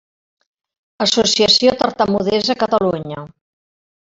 Associació Tartamudesa Catalunya.